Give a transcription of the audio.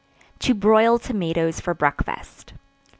To Broil Tomatoes for Breakfast.